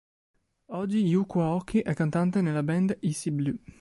Oggi Yūko Aoki è cantante nella band Icy Blue.